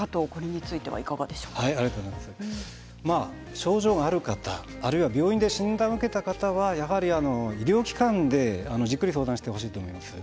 症状がある方あるいは病院で診断を受けた方はやはり医療機関でじっくり相談してほしいと思います。